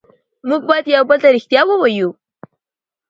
موږ باید یو بل ته ریښتیا ووایو